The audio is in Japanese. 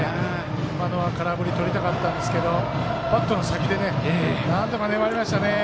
今のは空振りとりたかったんですけどバットの先でなんとか粘りました。